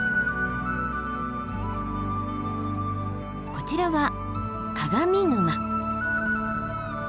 こちらは鏡沼。